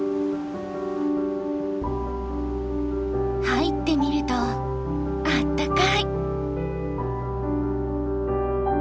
入ってみるとあったかい！